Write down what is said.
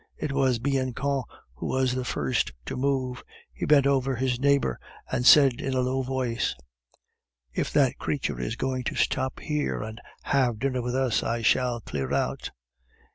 It was Bianchon who was the first to move; he bent over his neighbor, and said in a low voice, "If that creature is going to stop here, and have dinner with us, I shall clear out."